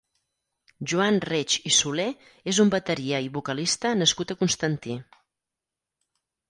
Joan Reig i Solé és un bateria i vocalista nascut a Constantí.